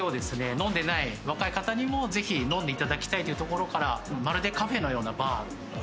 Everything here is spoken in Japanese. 飲んでない若い方にもぜひ飲んでいただきたいというところからまるでカフェのようなバーっていう形ではい。